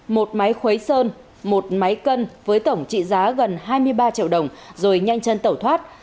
một máy khuấy sơn một máy cân với tổng trị giá gần hai mươi ba triệu đồng rồi nhanh chân tẩu thoát